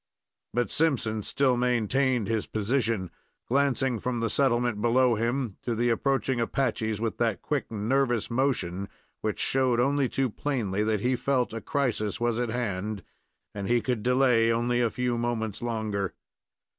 But Simpson still maintained his position, glancing from the settlement below him to the approaching Apaches, with that quick, nervous motion which showed only too plainly that he felt a crisis was at hand, and he could delay only a few moments longer.